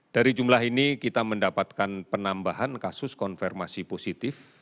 dari jumlah ini kita mendapatkan penambahan kasus konfirmasi positif